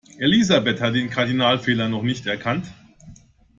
Elisabeth hat den Kardinalfehler noch nicht erkannt.